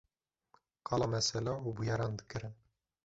Qala mesela û bûyeran dikirin